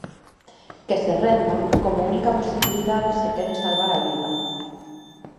Que se rendan, como única posibilidade se queren salvar a vida.